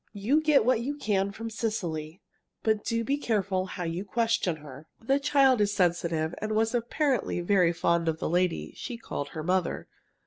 You get what you can from Cecily, but do be careful how you question her. The child is sensitive, and was apparently very fond of the lady she called her mother.